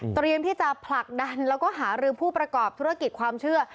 เตรียมที่จะผลักดันแล้วก็หารือผู้ประกอบธุรกิจความเชื่อ